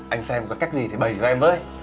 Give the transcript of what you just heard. anh xem có cách gì thì bày cho em với